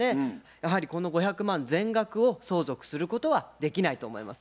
やはりこの５００万全額を相続することはできないと思います。